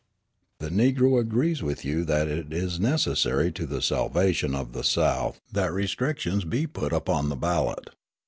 "The Negro agrees with you that it is necessary to the salvation of the South that restrictions be put upon the ballot.